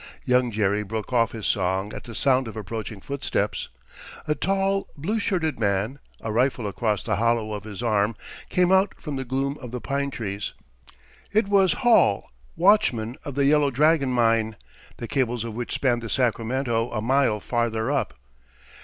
Young Jerry broke off his song at the sound of approaching footsteps. A tall, blue shirted man, a rifle across the hollow of his arm, came out from the gloom of the pine trees. It was Hall, watchman of the Yellow Dragon mine, the cables of which spanned the Sacramento a mile farther up.